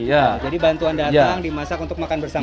jadi bantuan datang dimasak untuk makan bersama sama